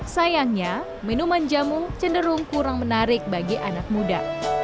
sayangnya minuman jamu cenderung kurang menarik bagi anak muda